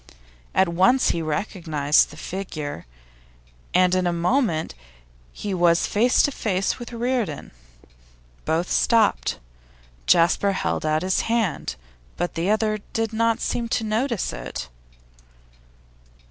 At once he recognised the figure, and in a moment he was face to face with Reardon. Both stopped. Jasper held out his hand, but the other did not seem to notice it.